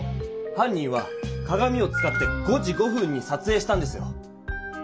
犯人はかがみを使って５時５分にさつえいしたんですよ。